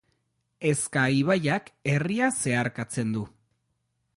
Ezka ibaiak herria zeharkatzen du.